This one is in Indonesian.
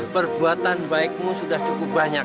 perbuatan baikmu sudah cukup banyak